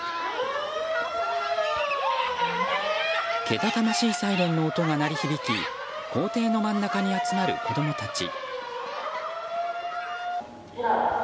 けたたましいサイレンの音が鳴り響き校庭の真ん中に集まる子供たち。